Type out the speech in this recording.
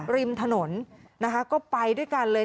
ริมถนนนะคะก็ไปด้วยกันเลย